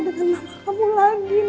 karena mama kamu sebentar lagi keluar